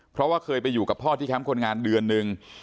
เพราะว่าเคยไปอยู่กับพ่อที่แคมป์คนงานเดือนหนึ่ง